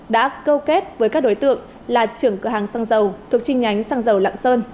đã câu kết với các đối tượng là trưởng cửa hàng xăng dầu thuộc chi nhánh xăng dầu lạng sơn